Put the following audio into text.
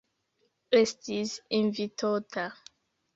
Esti invitota.